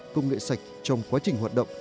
công nghệ sạch trong quá trình hoạt động